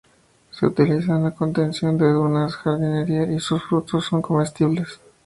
Se utiliza en la contención de dunas, jardinería, y sus frutos son comestibles.